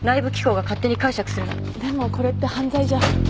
でもこれって犯罪じゃ。